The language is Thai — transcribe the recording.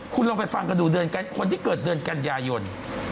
คุณแล้วไปฟังค่ะคนที่เกิดเดือนกัลยายน